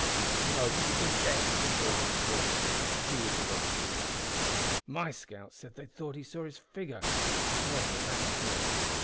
"No, but he could guess," retorted Stalker for it was the robber chief. "My scouts said they thought it was his figure they saw. However, it matters not.